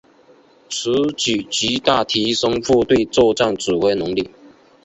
此举极大提升部队作战指挥能力。